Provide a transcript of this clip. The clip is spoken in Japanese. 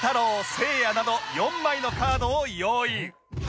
せいやなど４枚のカードを用意